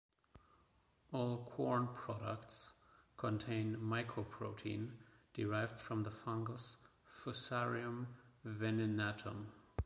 All Quorn products contain mycoprotein derived from the fungus "Fusarium venenatum".